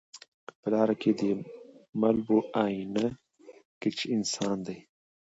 که په لاره کی دي مل وو آیینه کي چي انسان دی